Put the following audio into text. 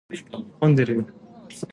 我的应援棒怎么变成复合弓了？